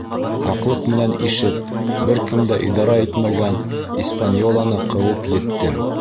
Һаҡлыҡ менән ишеп, бер кем дә идара итмәгән «Испаньола»ны ҡыуып киттем.